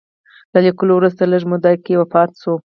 له لیکلو وروسته لږ موده کې وفات شو.